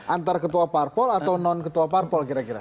antar ketua parpol atau non ketua parpol kira kira